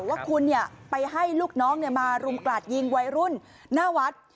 ว่าคุณไปให้ลูกน้องมารุมกราดยิงวัยรุ่นหน้าวัด